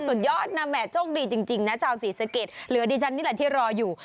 สุดยอดนะแห่โชคดีจริงนะชาวศรีสะเกดเหลือดิฉันนี่แหละที่รออยู่